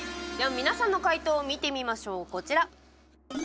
皆さんの解答を見てみましょう。